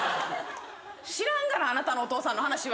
知らんがなあなたのお父さんの話は。